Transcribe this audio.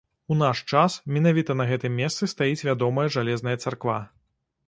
У наш час менавіта на гэтым месцы стаіць вядомая жалезная царква.